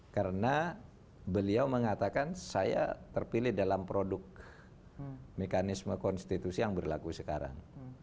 karena beliau mengatakan saya terpilih dalam produk mekanisme konstitusi yang berlaku sekarang